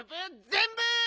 ぜんぶ！